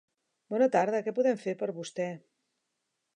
Bona tarda, què podem fer per vostè?